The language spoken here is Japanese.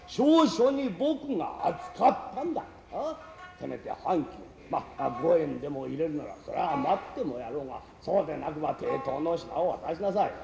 せめて半金まっ五円でも入れるならそらあ待ってもやろうがそうでなくば抵当の品を渡しなさい。